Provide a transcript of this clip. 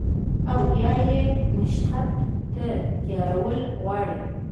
او يا ئې مشقت ته تيارول غواړي